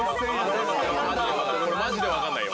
これマジで分かんないよ。